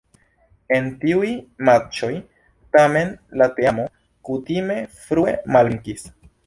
En tiuj matĉoj tamen la teamo kutime frue malvenkis.